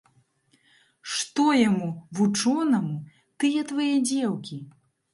Што яму, вучонаму, тыя твае дзеўкі?